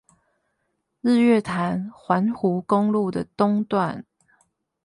日月潭環湖公路的東段